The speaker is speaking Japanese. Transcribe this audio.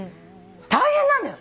大変なのよ。